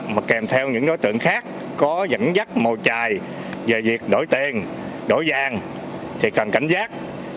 mà kèm theo những đối tượng khác có dẫn dắt màu trài về việc đổi tiền đổi vàng thì cần cảnh giác